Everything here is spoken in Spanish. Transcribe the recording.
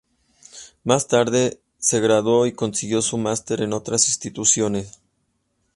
Más tarde se graduó y consiguió su master en otras instituciones.